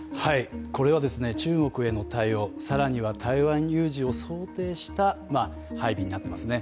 これは中国への対応、更には台湾有事を想定した配備になってますね。